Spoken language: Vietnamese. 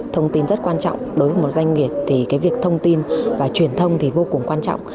thông tin rất quan trọng đối với một doanh nghiệp thì cái việc thông tin và truyền thông thì vô cùng quan trọng